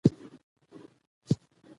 سیاسي بدلون باید د ټولنې اړتیاوو مطابق وشي